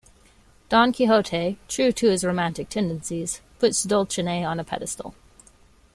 Don Quixote, true to his romantic tendencies, puts Dulcinea on a pedestal.